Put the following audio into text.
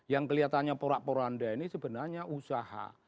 yang kelihatannya porak poranda ini sebenarnya usaha